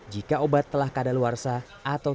jika obat telah kadaluarsa atau